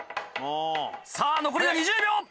さぁ残りは２０秒！